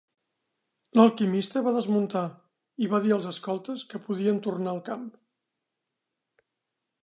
L'alquimista va desmuntar i va dir als escoltes que podien tornar al camp.